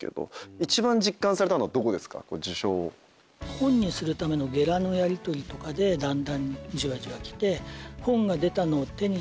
本にするためのゲラのやりとりとかでだんだんじわじわ来て。